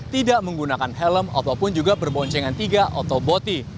tidak menggunakan helm ataupun juga berboncengan tiga atau boti